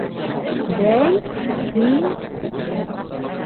Бәй, һин...